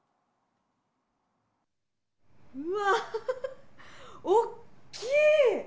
うわー、おっきい！